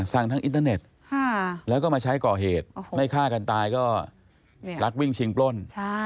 ทางอินเทอร์เน็ตแล้วก็มาใช้ก่อเหตุไม่ฆ่ากันตายก็รักวิ่งชิงปล้น